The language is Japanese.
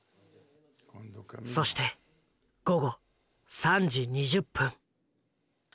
そして午後３時２０分。